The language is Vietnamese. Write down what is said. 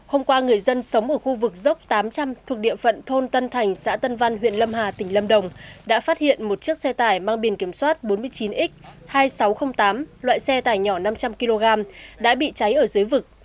hôm qua người dân sống ở khu vực dốc tám trăm linh thuộc địa phận thôn tân thành xã tân văn huyện lâm hà tỉnh lâm đồng đã phát hiện một chiếc xe tải mang biển kiểm soát bốn mươi chín x hai nghìn sáu trăm linh tám loại xe tải nhỏ năm trăm linh kg đã bị cháy ở dưới vực